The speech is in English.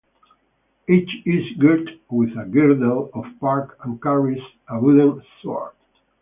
Each is girt with a girdle of bark and carries a wooden sword.